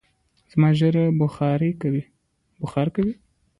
زما ژېره بوخار کوی